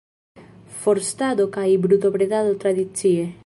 Forstado kaj brutobredado tradicie.